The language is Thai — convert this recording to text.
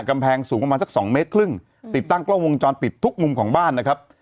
กำแพงสูงประมาณสักสองเมตรครึ่งติดตั้งกล้องวงจรปิดทุกมุมของบ้านนะครับ